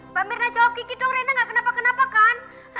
mbak mirna jawab kedingin dong rina ga kenapa kenapa kan